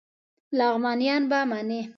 لغمانیان به منی